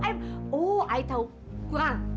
oh ayah tahu kurang